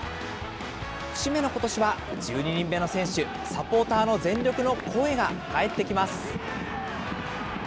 節目のことしは１２人目の選手、サポーターの全力の声が帰ってきます。